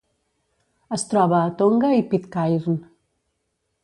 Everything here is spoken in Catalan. Es troba a Tonga i Pitcairn.